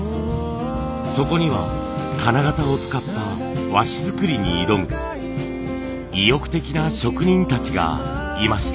そこには金型を使った和紙作りに挑む意欲的な職人たちがいました。